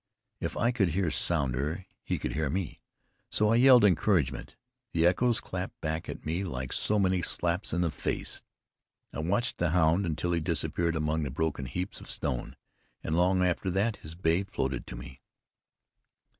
If I could hear Sounder, he could hear me, so I yelled encouragement. The echoes clapped back at me like so many slaps in the face. I watched the hound until he disappeared among broken heaps of stone, and long after that his bay floated to me.